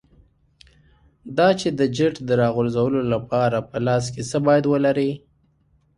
دا چې د جیټ د راغورځولو لپاره په لاس کې څه باید ولرې.